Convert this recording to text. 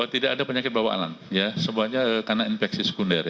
kalau tidak ada penyakit bawaan ya semuanya karena infeksi sekunder ya